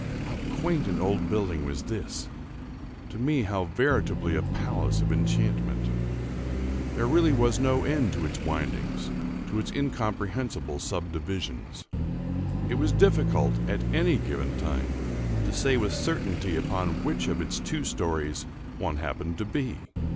—how quaint an old building was this!—to me how veritably a palace of enchantment! There was really no end to its windings—to its incomprehensible subdivisions. It was difficult, at any given time, to say with certainty upon which of its two stories one happened to be.